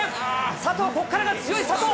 佐藤、ここからが強い、佐藤。